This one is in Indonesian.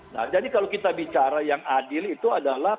nah jadi kalau kita bicara yang adil itu adalah